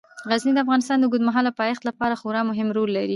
غزني د افغانستان د اوږدمهاله پایښت لپاره خورا مهم رول لري.